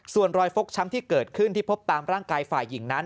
ส่วนรอยฟกช้ำที่เกิดขึ้นที่พบตามร่างกายฝ่ายหญิงนั้น